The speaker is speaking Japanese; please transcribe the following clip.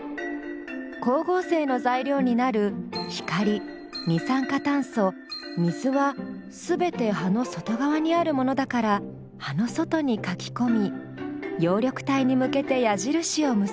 光合成の材料になる光二酸化炭素水は全て葉の外側にあるものだから葉の外に書きこみ葉緑体に向けて矢印を結ぶ。